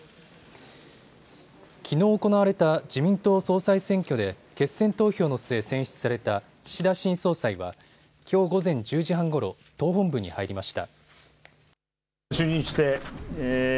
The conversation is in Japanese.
きのう行われた自民党総裁選挙で決選投票の末、選出された岸田新総裁はきょう午前１０時半ごろ党本部に入りました。